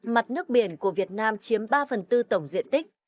mặt nước biển của việt nam chiếm ba phần tư tổng diện tích